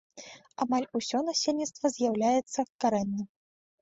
Амаль усё насельніцтва з'яўляецца карэнным.